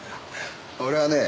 俺はね